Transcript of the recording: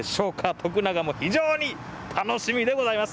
徳永も非常に楽しみでございます。